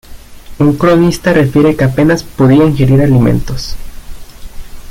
Un cronista refiere que apenas podía ingerir alimentos.